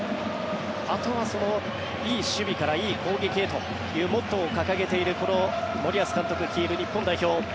あとはいい守備からいい攻撃へというモットーを掲げているこの森保監督率いる日本代表。